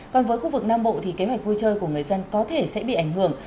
còn với khu vực nam bộ thì kế hoạch vui chơi của người dân có thể sẽ bị ảnh hưởng